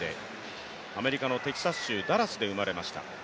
アメリカのテキサス州、ダラスで生まれました。